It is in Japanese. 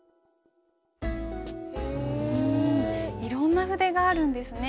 うんいろんな筆があるんですね。